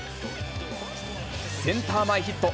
センター前ヒット。